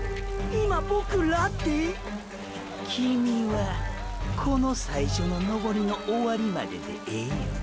今ボク「ら」て？キミィはこの最初の登りの終わりまででええよ？